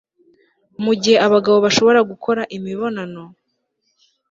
mu gihe abagabo bashobora gukora imibonano